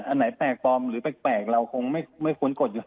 อันไหนแปลกปลอมหรือแปลกเราคงไม่ควรกดอยู่